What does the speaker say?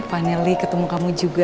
finally ketemu kamu juga